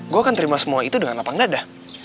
gue akan terima semua itu dengan lapang dada